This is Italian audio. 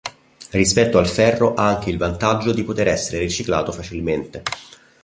Rispetto al ferro ha anche il vantaggio di poter essere riciclato facilmente.